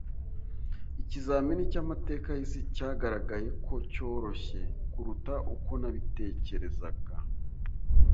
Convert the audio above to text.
Ikizamini cyamateka yisi cyagaragaye ko cyoroshye kuruta uko nabitekerezaga.